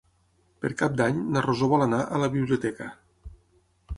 Per Cap d'Any na Rosó vol anar a la biblioteca.